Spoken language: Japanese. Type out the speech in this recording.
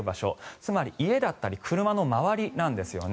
つまり家だったり車の周りですね。